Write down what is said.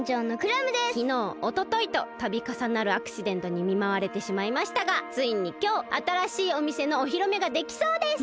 きのうおとといとたびかさなるアクシデントにみまわれてしまいましたがついにきょうあたらしいおみせのおひろめができそうです！